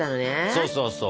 そうそうそう。